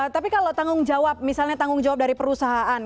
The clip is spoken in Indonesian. tapi kalau tanggung jawab misalnya tanggung jawab dari perusahaan